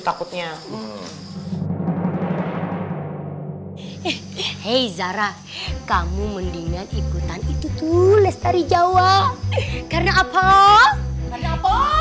takutnya eh zara kamu mendingan ikutan itu tuh les dari jawa karena apa apa